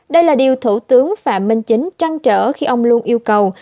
đây là điều thủ tướng phạm minh chính trăng trở khi ông luôn yêu cầu